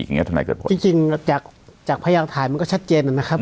อย่างเงี้ยถ้าไหนเกิดผลจริงจริงจากจากพยายามถ่ายมันก็ชัดเจนอ่ะนะครับ